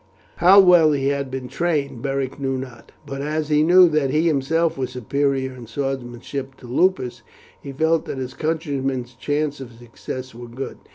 How well he had been trained Beric knew not, but as he knew that he himself was superior in swordmanship to Lupus, he felt that his countryman's chances of success were good.